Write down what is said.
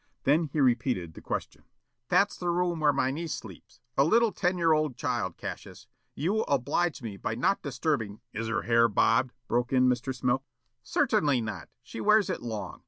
Then he repeated the question. "That's the room where my niece sleeps. A little ten year old child, Cassius. You will oblige me by not disturbing " "Is her hair bobbed?" broke in Mr. Smilk. "Certainly not. She wears it long.